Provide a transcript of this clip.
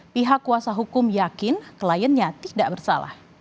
pihak kuasa hukum yakin kliennya tidak bersalah